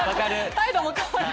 態度も変わる。